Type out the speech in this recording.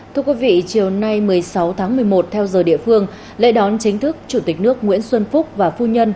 thưa quý vị chiều nay một mươi sáu tháng một mươi một theo giờ địa phương lễ đón chính thức chủ tịch nước nguyễn xuân phúc và phu nhân